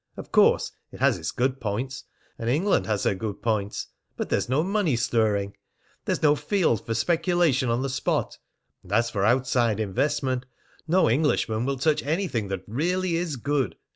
Of course it has its good points, and England has her good points; but there's no money stirring. There's no field for speculation on the spot, and as for outside investment, no Englishman will touch anything that really is good."